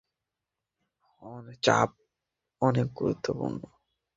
চাপ অনেক গুরুত্বপূর্ণ।